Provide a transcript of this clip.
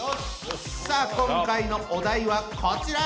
さあ今回のお題はこちら！